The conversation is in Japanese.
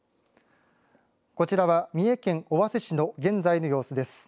こちらは三重県尾鷲市の現在の様子です。